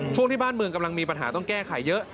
ช่วงที่บ้านเมืองกำลังมีปัญหาต้องแก้ไขเยอะ